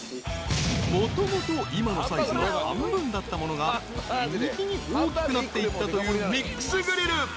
［もともと今のサイズの半分だったものが日に日に大きくなっていったというミックスグリル。